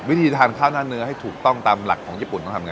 วิธีทานข้าวหน้าเนื้อให้ถูกต้องตามหลักของญี่ปุ่นต้องทำไง